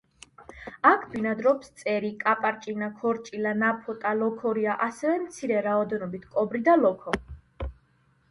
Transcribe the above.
აქ ბინადრობს წერი, კაპარჭინა, ქორჭილა, ნაფოტა, ლოქორია, ასევე მცირე რაოდენობით კობრი და ლოქო.